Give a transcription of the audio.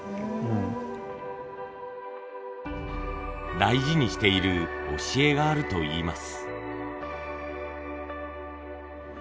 大事にしている教えがあるといいます。